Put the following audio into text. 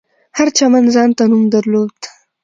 هر چمن ځانته نوم درلود.